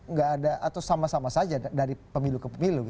nggak ada atau sama sama saja dari pemilu ke pemilu